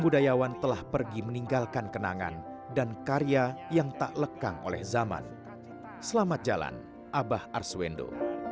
dan karya yang tak lekang oleh zaman selamat jalan abah arswendo